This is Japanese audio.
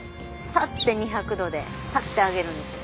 さって２００℃でぱって揚げるんですよ。